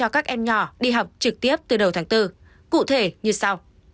các em nhỏ đi học trực tiếp từ đầu tháng bốn cụ thể như sau